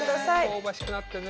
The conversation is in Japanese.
香ばしくなってね。